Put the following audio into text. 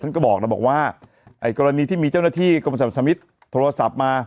ท่านก็บอกแล้วว่าไอ้กรณีที่มีเจ้านาธิกรมสรรพสามิทโทรศัพท์มา